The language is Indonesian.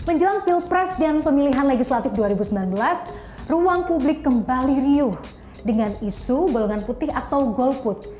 menjelang pilpres dan pemilihan legislatif dua ribu sembilan belas ruang publik kembali riuh dengan isu golongan putih atau golput